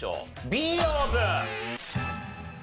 Ｂオープン！